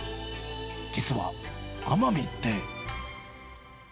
実は、奄美って。